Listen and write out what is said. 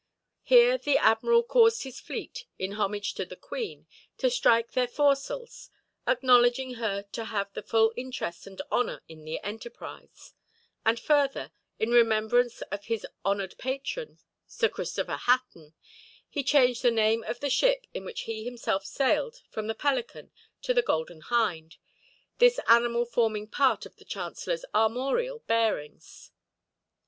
Here the admiral caused his fleet, in homage to the Queen, to strike their foresails, acknowledging her to have the full interest and honor in the enterprise; and further, in remembrance of his honored patron, Sir Christopher Hatton, he changed the name of the ship in which he himself sailed from the Pelican to the Golden Hind, this animal forming part of the chancellor's armorial bearings.